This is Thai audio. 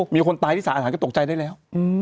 มีคนตายที่สารอาหารก็ตกใจได้แล้ว